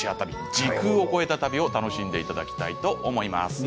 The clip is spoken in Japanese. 時空を超えた旅を楽しんでいただきます。